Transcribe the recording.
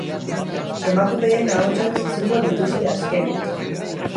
Emakumeen ahotsak entzungo dituzte azkenik.